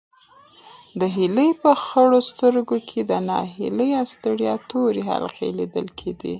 د هیلې په خړو سترګو کې د ناهیلۍ او ستړیا تورې حلقې لیدل کېدې.